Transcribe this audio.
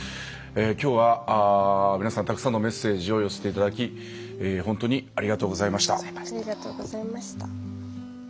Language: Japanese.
今日は、皆さんたくさんのメッセージを寄せていただき本当にありがとうございました。